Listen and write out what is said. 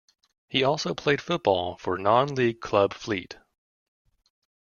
He also played football for non-League club Fleet.